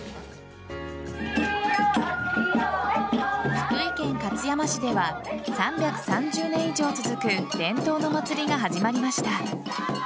福井県勝山市では３３０年以上続く伝統の祭りが始まりました。